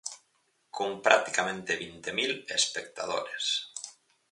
Con practicamente vinte mil espectadores.